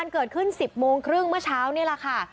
เกิดขึ้น๑๐โมงครึ่งเมื่อเช้านี่แหละค่ะ